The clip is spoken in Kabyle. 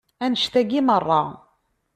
Annect-agi meṛṛa.